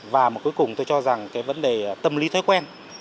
và một cuối cùng tôi cho rằng cái vấn đề tâm lý thói quen